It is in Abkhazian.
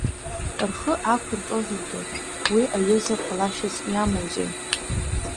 Рхы ақәырҵозаргьы, уи аҩыза ҟалашьас иамоузеи?